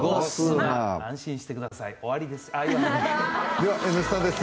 では「Ｎスタ」です。